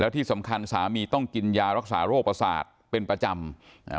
ที่สำคัญสามีต้องกินยารักษาโรคประสาทเป็นประจำอ่า